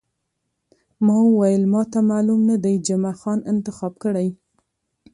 ما وویل، ما ته معلوم نه دی، جمعه خان انتخاب کړی.